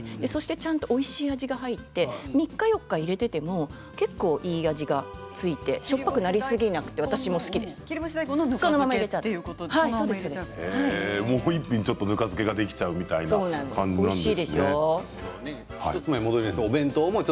ちゃんとおいしい味が入って３日４日入れていてもいい味が付いてしょっぱくなりすぎなくてもう一品ぬか漬けができちゃうという感じですね。